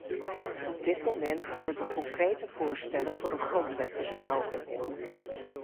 Op dit moment worden concrete voorstellen voor een grondwet besproken.